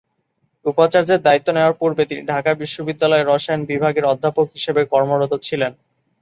উপাচার্যের দায়িত্ব নেয়ার পূর্বে তিনি ঢাকা বিশ্ববিদ্যালয়ের রসায়ন বিভাগের অধ্যাপক হিসেবে কর্মরত ছিলেন।